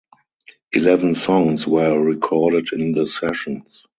Eleven songs were recorded in the sessions.